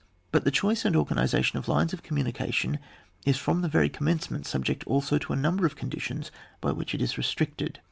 But the choice cuid organisation of lines of communication is from the very commencement subject also to a number of conditions by which it is restricted.